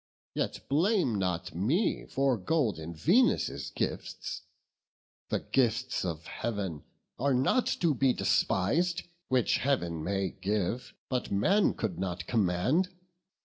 Yet blame not me for golden Venus' gifts: The gifts of Heav'n are not to be despis'd, Which Heav'n may give, but man could not command.